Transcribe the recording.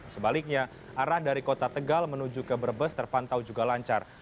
sebaliknya arah dari kota tegal menuju ke brebes terpantau juga lancar